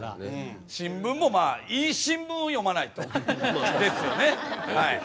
新聞もまあいい新聞を読まないとですよね。